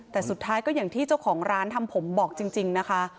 แต่สุดท้ายก็อย่างที่เจ้าของร้านทำผมบอกจริงนะคะ